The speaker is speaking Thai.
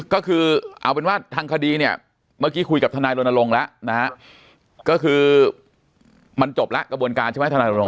ก็คือเอาเป็นว่าทางคดีเนี่ยเมื่อกี้คุยกับทนายรณรงค์แล้วนะฮะก็คือมันจบแล้วกระบวนการใช่ไหมทนายรณรง